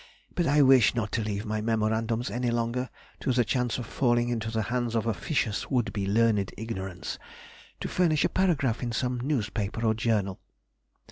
But I wish not to leave my memorandums any longer to the chance of falling into the hands of officious would be learned ignorance, to furnish a paragraph in some newspaper or journal.